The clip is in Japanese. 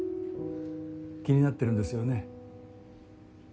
気になってるんですよね？